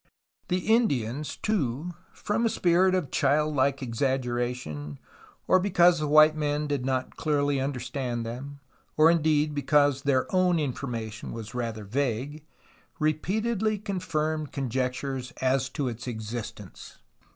The Indians, too, from a spirit of childlike exaggeration, or because the white men did not clearly understand them, or, indeed, because their own information was rather vague, repeatedly confii med conjectures as to its existence.